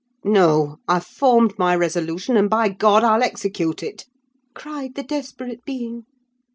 "'No! I've formed my resolution, and by God I'll execute it!' cried the desperate being.